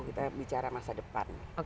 kita bicara masa depan